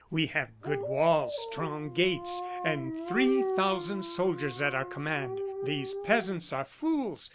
We have good walls, strong gates, and three thousand soldiers at our command. These peasants are fools!